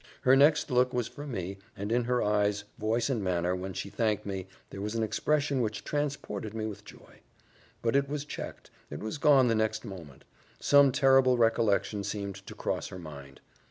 Her next look was for me, and in her eyes, voice, and manner, when she thanked me, there was an expression which transported me with joy; but it was checked, it was gone the next moment: some terrible recollection seemed to cross her mind.